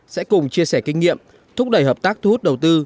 sẽ cùng chia sẻ kinh nghiệm thúc đẩy hợp tác thu hút đầu tư